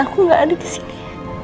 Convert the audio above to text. aku gak ada disini